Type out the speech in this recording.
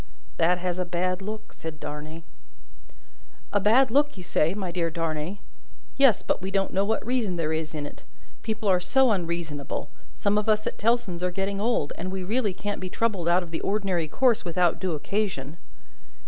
"That has a bad look," said Darnay "A bad look, you say, my dear Darnay? Yes, but we don't know what reason there is in it. People are so unreasonable! Some of us at Tellson's are getting old, and we really can't be troubled out of the ordinary course without due occasion."